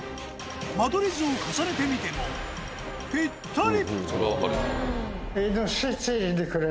間取り図を重ねてみてもピッタリ！